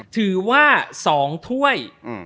ถือว่า๒ถ้วย